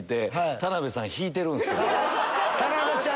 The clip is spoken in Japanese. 田辺ちゃん